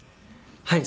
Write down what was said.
はい。